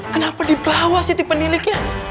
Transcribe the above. kenapa dibawa sih tipe niliknya